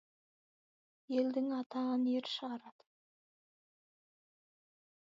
Елдің атағын ер шығарады.